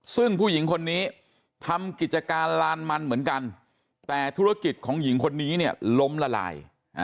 ซึ่งผู้หญิงคนนี้ทำกิจการลานมันเหมือนกันแต่ธุรกิจของหญิงคนนี้เนี่ยล้มละลาย